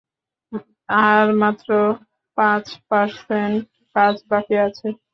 আর মাত্র পাচ পারসেন্ট কাজ বাকি আছে।